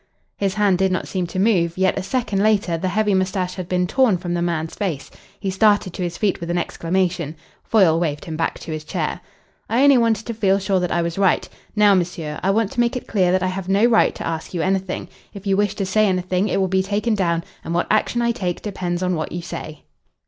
His hand did not seem to move, yet a second later the heavy moustache had been torn from the man's face. He started to his feet with an exclamation. Foyle waved him back to his chair. "I only wanted to feel sure that I was right. Now, monsieur, I want to make it clear that I have no right to ask you anything. If you wish to say anything, it will be taken down, and what action I take depends on what you say."